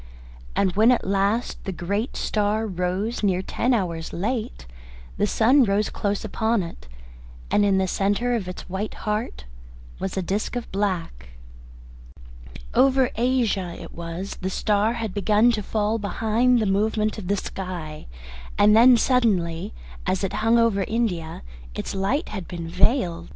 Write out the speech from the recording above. And when at last the great star rose near ten hours late, the sun rose close upon it, and in the centre of its white heart was a disc of black. Over Asia it was the star had begun to fall behind the movement of the sky, and then suddenly, as it hung over India, its light had been veiled.